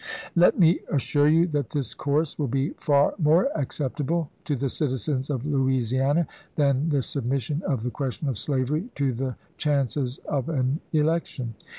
" Let me assure you that this course will be far more acceptable to the citizens of Louisiana than the submission of the question of slavery to the chances of an election.